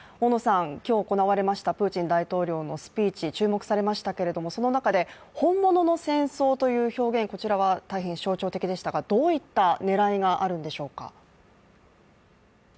今日行われましたプーチン大統領のスピーチ注目されましたけれどもその中で、本物の戦争という表現、こちらは大変象徴的でしたがどういった狙いがあるんでしょうか？